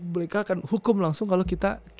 mereka akan hukum langsung kalau kita